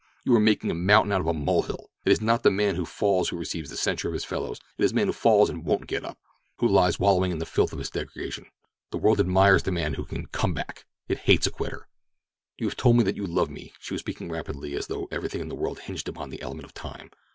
You are making a mountain of a molehill. It is not the man who falls who receives the censure of his fellows; it's the man who falls and won't get up—who lies wallowing in the filth of his degradation. The world admires the man who can 'come back'—it hates a quitter. "You have told me that you love me." She was speaking rapidly, as though everything in the world hinged upon the element of time.